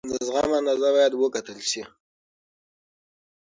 د زغم اندازه باید وکتل شي.